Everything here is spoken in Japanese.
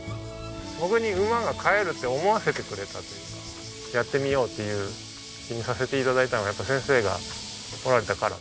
僕に馬が飼えるって思わせてくれたというかやってみようっていう気にさせて頂いたのはやっぱり先生がおられたから。